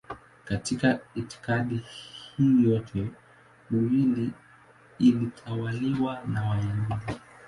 Katika itikadi hii yote miwili ilitawaliwa na Wayahudi.